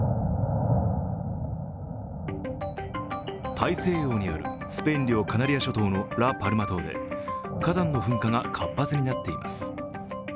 大西洋にあるスペイン領カナリア諸島のラ・パルマ島で火山の噴火が活発になっています。